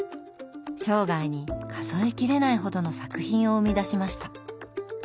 生涯に数えきれないほどの作品を生み出しました。